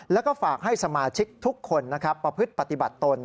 แล้วก็ฝากให้สมาชิกทุกคนนะครับประพฤติปฏิบัติตน